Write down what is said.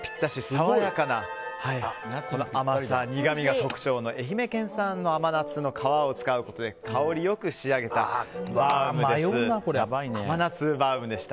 爽やかな甘み苦みが特徴の愛媛県産の甘夏の皮を使うことで香り良く仕上げたバウムです。